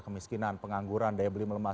kemiskinan pengangguran daya beli melemah